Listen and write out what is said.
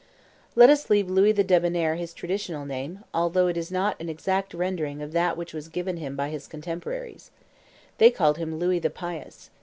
Let us leave Louis the Debonnair his traditional name, although it is not an exact rendering of that which was given him by his contemporaries. They called him Louis the Pious.